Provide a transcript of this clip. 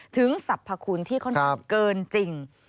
สรรพคุณที่ค่อนข้างเกินจริง